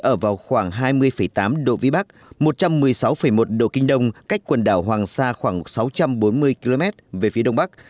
ở vào khoảng hai mươi tám độ vĩ bắc một trăm một mươi sáu một độ kinh đông cách quần đảo hoàng sa khoảng sáu trăm bốn mươi km về phía đông bắc